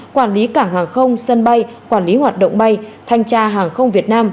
quản lý cảng hàng không sân bay quản lý hoạt động bay thanh tra hàng không việt nam